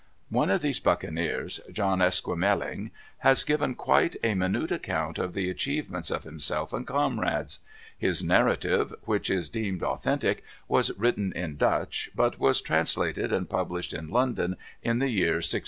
One of these buccaneers, John Esquemeling, has given quite a minute account of the achievements of himself and comrades. His narrative, which is deemed authentic, was written in Dutch, but was translated and published in London in the year 1684.